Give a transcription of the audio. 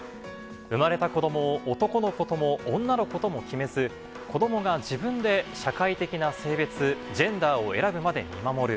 生まれた子どもを男の子とも女の子とも決めず、子どもが自分で社会的な性別・ジェンダーを選ぶまで見守る。